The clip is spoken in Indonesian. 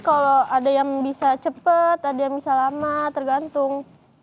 kalau ada yang bisa cepat ada yang bisa lama tergantung